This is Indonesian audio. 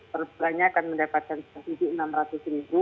perbelahnya akan mendapatkan sukses di enam ratus ribu